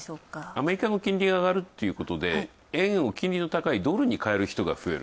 アメリカの金利が上がるっていうことで円を金利の高いドルに替える人が増える。